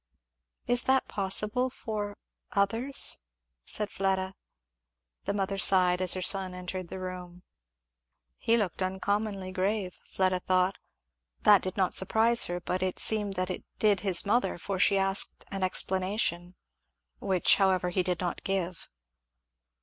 "Is that possible, for others?" said Fleda. The mother sighed, as her son entered the room. He looked uncommonly grave, Fleda thought. That did not surprise her, but it seemed that it did his mother, for she asked an explanation. Which however he did not give.